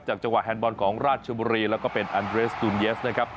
จังหวะแฮนดบอลของราชบุรีแล้วก็เป็นอันเรสตูนเยสนะครับ